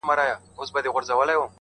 !شپېلۍ.!